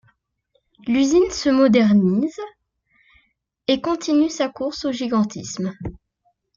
L'usine se modernise et continue sa course au gigantisme.